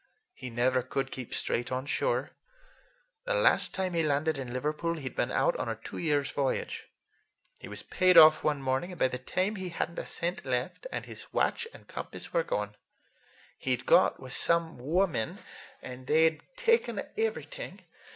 He never could keep straight on shore. The last time he landed in Liverpool he'd been out on a two years' voyage. He was paid off one morning, and by the next he had n't a cent left, and his watch and compass were gone. He'd got with some women, and they'd taken everything.